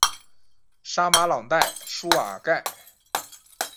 沙马朗代舒瓦盖。